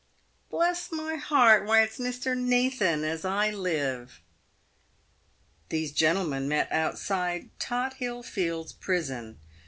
" Bless my heart ! why it's Mr. Nathan, as I live !" These gentlemen met outside Tothill fields Prison.